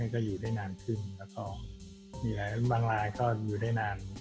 ก็อยู่ได้นานขึ้นแล้วก็มีหลายบางรายก็อยู่ได้นาน